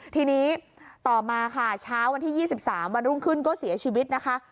ทีนี้ต่อมาค่ะเช้าวันที่๒๓วันรุ่งขึ้นก็เสียชีวิตนะคะ